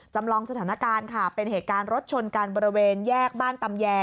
จำลองสถานการณ์ค่ะเป็นเหตุการณ์รถชนกันบริเวณแยกบ้านตำแย